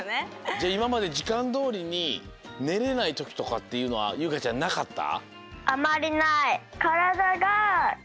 じゃいままでじかんどおりにねれないときとかっていうのはゆうかちゃんなかった？